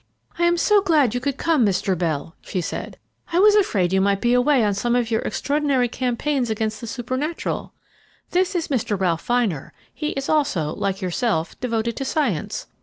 "I am so glad you could come, Mr. Bell," she said. "I was afraid you might be away on some of your extraordinary campaigns against the supernatural. This is Mr. Ralph Vyner; he is also, like yourself, devoted to science.